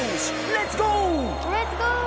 レッツゴー！